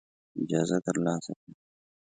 اجازه ترلاسه کړه.